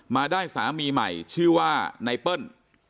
มาได้สามีใหม่ชื่อว่าไนเปิ้ล